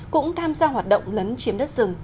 cũng tham gia hoạt động lấn chiếm đất rừng